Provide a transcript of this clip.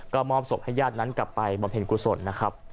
ก็มอบศพให้ญาตินั้นกลับไปบำเพ็ญกุศลนะครับ